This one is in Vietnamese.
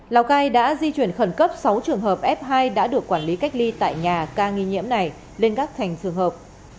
lào cai đã di chuyển khẩn cấp sáu trường hợp f hai đã được quản lý cách ly tại nhà ca nghi nhiễm này lên các thành trường hợp